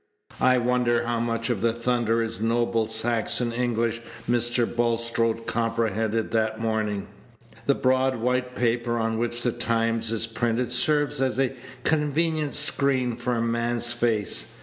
I wonder how much of the Thunderer's noble Saxon English Mr. Bulstrode comprehended that morning? The broad white paper on which the Times is printed serves as a convenient screen for a man's face.